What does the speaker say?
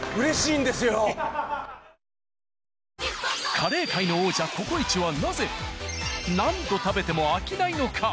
カレー界の王者ＣｏＣｏ壱はなぜ何度食べても飽きないのか。